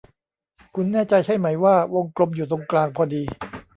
คุณแน่ใจใช่ไหมว่าวงกลมอยู่ตรงกลางพอดี